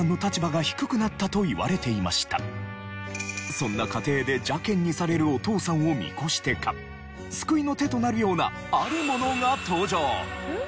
そんな家庭で邪険にされるお父さんを見越してか救いの手となるようなあるものが登場！